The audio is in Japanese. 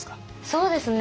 そうですね